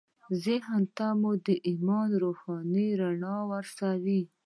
ذهن ته مو د ایمان روښانه رڼا ورسوئ